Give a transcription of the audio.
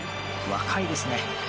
若いですね。